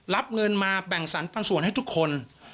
รับเงินมาแบ่งสรรปันส่วนให้ทุกคน